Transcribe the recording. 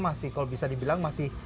masih kalau bisa dibilang masih